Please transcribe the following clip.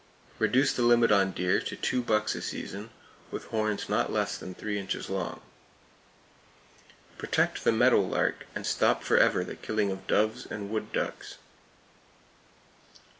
Reduce the limit on deer to two bucks a season, with horns not less than three inches long. Protect the meadow lark and stop forever the killing of doves and wood ducks.